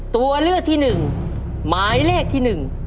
ตัวเลือกที่๑หมายเลขที่๑